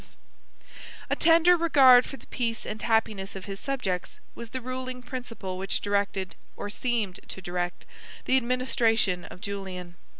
] A tender regard for the peace and happiness of his subjects was the ruling principle which directed, or seemed to direct, the administration of Julian.